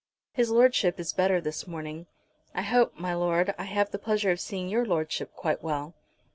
"His Lordship is better this morning. I hope, my Lord, I have the pleasure of seeing your Lordship quite well."